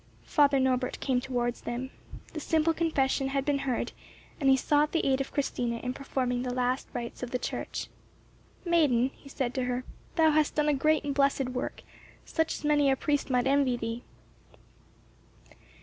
Father Norbert came towards them. The simple confession had been heard, and he sought the aid of Christina in performing the last rites of the Church. "Maiden," he said to her, "thou hast done a great and blessed work, such as many a priest might envy thee."